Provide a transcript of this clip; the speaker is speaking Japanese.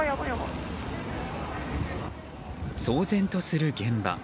騒然とする現場。